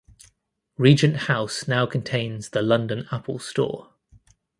Regent House now contains the London Apple Store.